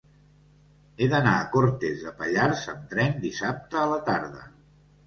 He d'anar a Cortes de Pallars amb tren dissabte a la tarda.